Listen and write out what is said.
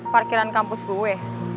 parkiran kampus gue